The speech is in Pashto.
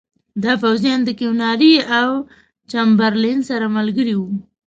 دا پوځیان د کیوناري او چمبرلین سره ملګري وو.